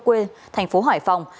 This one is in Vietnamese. quê thành phố hải phòng